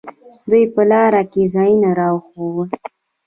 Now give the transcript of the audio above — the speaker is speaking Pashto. دوى په لاره کښې ځايونه راښوول.